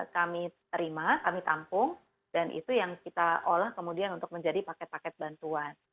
kami terima kami tampung dan itu yang kita olah kemudian untuk menjadi paket paket bantuan